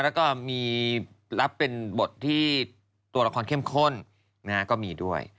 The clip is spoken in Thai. แล้วก็มีรับเป็นบทที่ตัวละครเข้มข้นก็มีด้วย